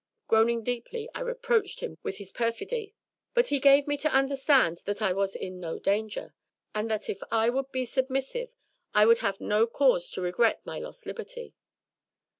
Groaning deeply, I reproached him with his perfidy; but he gave me to understand that I was in no danger, and that if I would be submissive I would have no cause to regret my lost liberty.